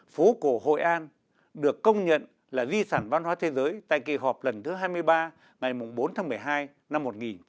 phố cổ hội an được công nhận là di sản văn hóa thế giới tại kỳ họp lần thứ hai mươi ba ngày bốn tháng một mươi hai năm một nghìn chín trăm bảy mươi